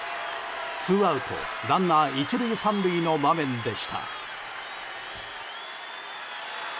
ツーアウト、ランナー１塁３塁の場面でした。